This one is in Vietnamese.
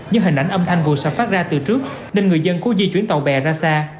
như hình ảnh âm thanh vụ sập phát ra từ trước nên người dân cố di chuyển tàu bè ra xa